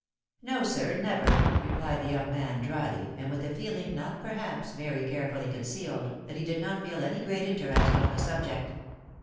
" No, sir, never," replied the young man, drily, and with a feehng, not, perhaps, very carefully concealed, that he did not feel any great interest on the subject.